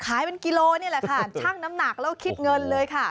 ขายเป็นกิโลนี่แหละค่ะชั่งน้ำหนักแล้วคิดเงินเลยค่ะ